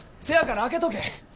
せやから空けとけ。